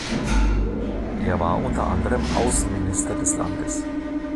Er war unter anderem Außenminister des Landes.